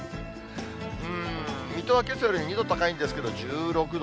水戸はけさより、２度高いんですけど、１６度。